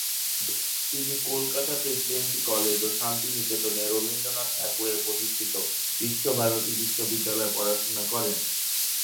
তিনি কলকাতার Presidency College ও শান্তিনিকেতনে রবীন্দ্রনাথ ঠাকুরের প্রতিষ্ঠিত বিশ্বভারতী বিশ্ববিদ্যালয়ে পড়াশোনা করেন।